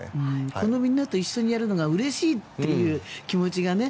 このみんなと一緒にやるのがうれしいっていう気持ちがね。